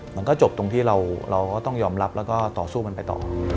มันก็จบตรงที่เราก็ต้องยอมรับแล้วก็ต่อสู้มันไปต่อ